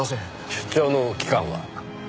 出張の期間は？